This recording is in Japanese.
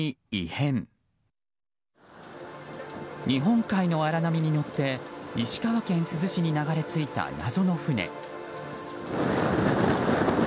日本海の荒波によって石川県珠洲市に流れ着いた謎の船。